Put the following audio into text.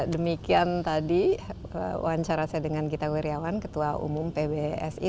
demikian tadi wawancara saya dengan gita wirjawan ketua umum pbsi